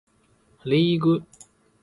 リーグ